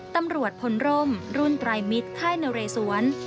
ตำรวจพลร่มรุ่นไตรมิตรค่ายนเรสวน